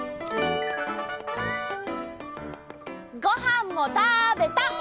ごはんもたべた！